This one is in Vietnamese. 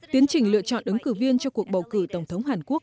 tiến trình lựa chọn ứng cử viên cho cuộc bầu cử tổng thống hàn quốc